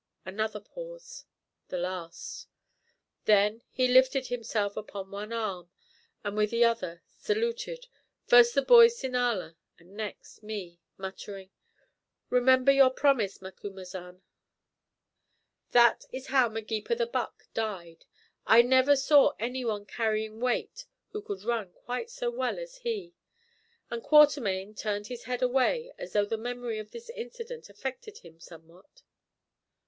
(Another pause, the last.) Then he lifted himself upon one arm and with the other saluted, first the boy Sinala and next me, muttering, "Remember your promise, Macumazahn." "That is how Magepa the Buck died. I never saw any one carrying weight who could run quite so well as he," and Quatermain turned his head away as though the memory of this incident affected him somewhat.